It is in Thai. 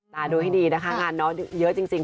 ดูให้ดีนะคะงานน้องเยอะจริง